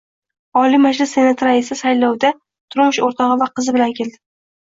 Oliy Majlis Senati raisi saylovga turmush o‘rtog‘i va qizi bilan keldi